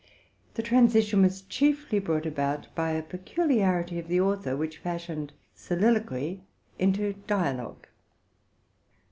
This transi tion was chiefly brought about by a peculiarity of the author, which fashioned soliloquy into dialogue.